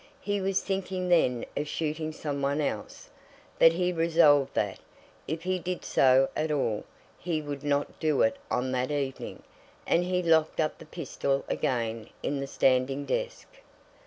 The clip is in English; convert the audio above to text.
He was thinking then of shooting some one else. But he resolved that, if he did so at all, he would not do it on that evening, and he locked up the pistol again in the standing desk.